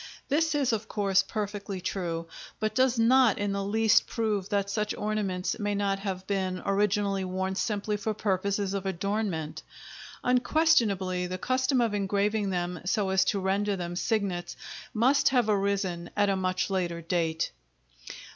This is, of course, perfectly true, but does not in the least prove that such ornaments may not have been originally worn simply for purposes of adornment; unquestionably, the custom of engraving them so as to render them signets must have arisen at a much later date.